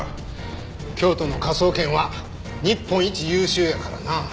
京都の科捜研は日本一優秀やからな。